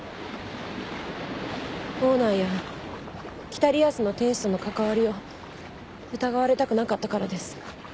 オーナーや『北リアスの天使』との関わりを疑われたくなかったからです。